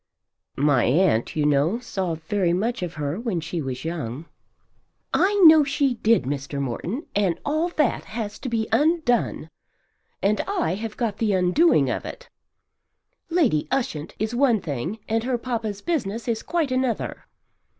"My aunt, you know, saw very much of her when she was young." "I know she did, Mr. Morton; and all that has to be undone, and I have got the undoing of it. Lady Ushant is one thing and her papa's business is quite another.